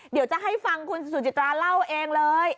เดี๋ยวจะให้ฟังคุณสุจิตราเล่าเองเลย